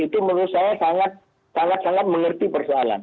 itu menurut saya sangat sangat mengerti persoalan